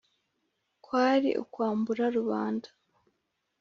kwari ukwambura rubanda